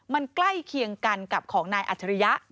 มันใกล้เคียงกันกับของนายอัจฉริยะ